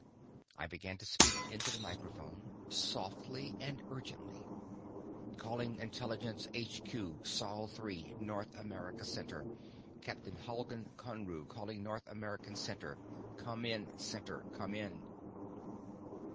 I began to speak into the microphone, softly and urgently: "Calling Intelligence HQ, Sol III, North America Center. Captain Halgan Conru calling North America Center. Come in, Center, come in."